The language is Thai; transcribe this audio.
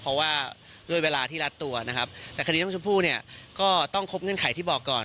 เพราะว่าด้วยเวลาที่รัดตัวนะครับแต่คดีน้องชมพู่เนี่ยก็ต้องครบเงื่อนไขที่บอกก่อน